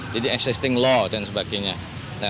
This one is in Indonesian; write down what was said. jadi existing law dan sebagainya